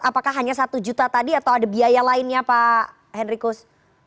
apakah hanya satu juta tadi atau ada biaya lainnya pak henrikus